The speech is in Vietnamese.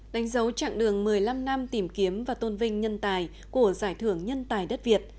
đánh dấu chặng đường một mươi năm năm tìm kiếm và tôn vinh nhân tài của giải thưởng nhân tài đất việt